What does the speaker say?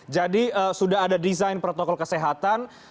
jadi sudah ada desain protokol kesehatan